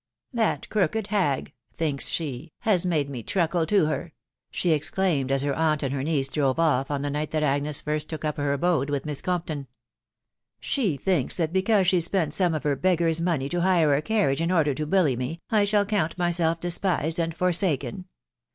" That crooked hag thinks she has made me tnsokle to Iter 1 *' she exclaimed, as tier .aunt and her niece drove off, on the night fhat Agnes first took up tier nhode with MissCtamp ton. ... "She thinks that because she spent some of her beggars' money to hire a carriage in order to bully me, I shaH count myself despised and forsaken.